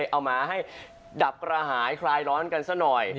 เอามาให้ดับกระหายคลายร้อนกันซะหน่อย